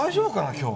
今日。